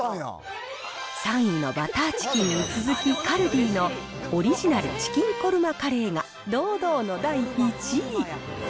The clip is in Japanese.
３位のバターチキンに続き、カルディのオリジナルチキンコルマカレーが堂々の第１位。